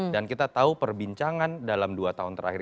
dan kita tahu perbincangan dalam dua tahun terakhir